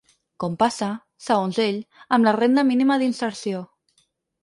Com passa, segons ell, amb la renda mínima d’inserció.